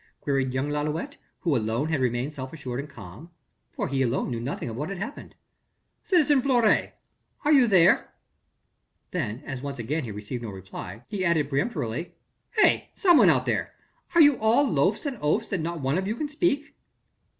queried young Lalouët, who alone had remained self assured and calm, for he alone knew nothing of what had happened. "Citizen Fleury, are you there?" Then as once again he received no reply, he added peremptorily: "Hey! some one there! Are you all louts and oafs that not one of you can speak?"